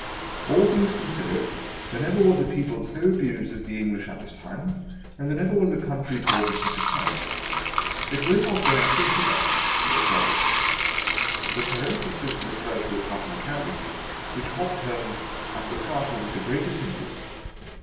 All things considered, there never was a people so abused as the English at this time, and there never was a country brought to such a pass. It will not bear thinking of — (Lord Joddle)." The paren thesis referred to a passing carriage, which Hobbs turned and looked after with the greatest interest.